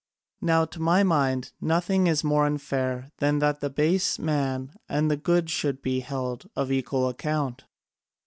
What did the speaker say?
Now to my mind nothing is more unfair than that the base man and the good should be held of equal account."